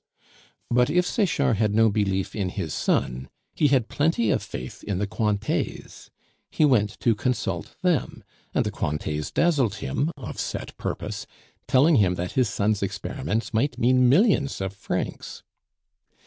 But if Sechard had no belief in his son, he had plenty of faith in the Cointets. He went to consult them, and the Cointets dazzled him of set purpose, telling him that his son's experiments might mean millions of francs.